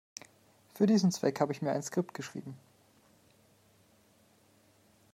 Für diesen Zweck habe ich mir ein Skript geschrieben.